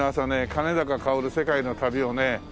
『兼高かおる世界の旅』をね